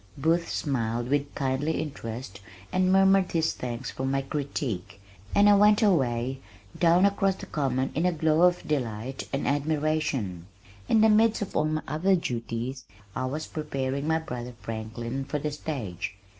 Booth smiled with kindly interest and murmured his thanks for my critique, and I went away, down across the Common in a glow of delight and admiration. In the midst of all my other duties I was preparing my brother Franklin for the stage.